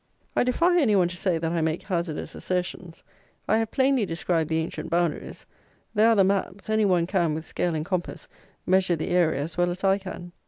I defy any one to say that I make hazardous assertions: I have plainly described the ancient boundaries: there are the maps: any one can, with scale and compass, measure the area as well as I can.